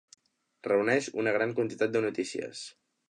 Reuneix una gran quantitat de notícies.